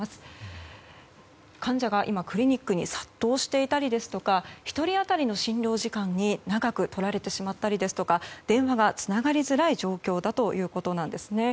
患者が今、クリニックに殺到していたりですとか１人当たりの診療時間に長くとられてしまったりですとか電話がつながりづらい状況だということなんです。